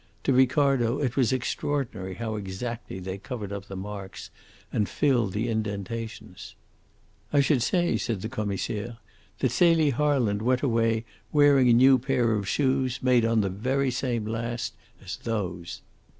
To Ricardo it was extraordinary how exactly they covered up the marks and filled the indentations. "I should say," said the Commissaire, "that Celie Harland went away wearing a new pair of shoes made on the very same last as those."